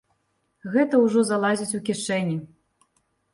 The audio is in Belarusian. Гэта ўжо залазяць у кішэні.